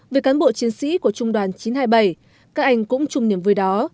về cán bộ chiến sĩ của trung đoàn chín trăm hai mươi bảy các anh cũng chung niềm vui đó